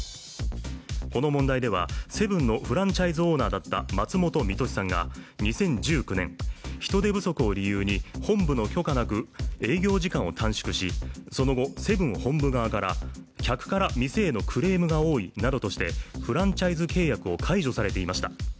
この問題では、セブンのフランチャイズオーナーだった松本実敏さんが２０１９年人手不足を理由に本部の許可なく営業時間を短縮し、その後、セブン本部側から客から店へのクレームが多いなどとしてフランチャイズ契約を解除されていました。